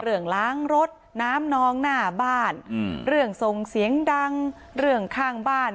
ล้างรถน้ำนองหน้าบ้านเรื่องส่งเสียงดังเรื่องข้างบ้าน